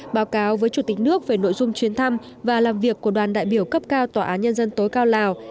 báo cáo với chủ tịch nước về nội dung chuyến thăm và làm việc của đoàn đại biểu cấp cao tòa án nhân dân tối cao lào